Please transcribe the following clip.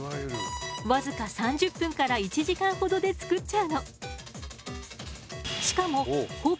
僅か３０分から１時間ほどでつくっちゃうの。